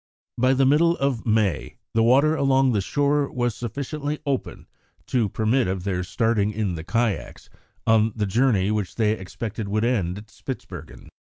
By the middle of May the water along the shore was sufficiently open to permit of their starting in the kayaks on the journey which they expected would end at Spitzbergen.